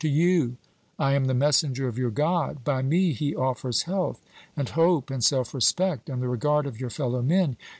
To you I am the messenger of your God by me he offers health, and hope, and self respect, and the regard of your fellow men.